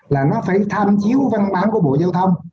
là nó phải tham chiếu văn bản của bộ giao thông